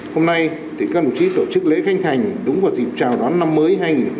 hôm nay thì các đồng chí tổ chức lễ khanh thành đúng vào dịp trào đón năm mới hai nghìn hai mươi bốn